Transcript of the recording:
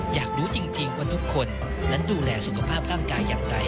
อยากรู้จริงว่าทุกคนนั้นดูแลสุขภาพร่างกายอย่างไร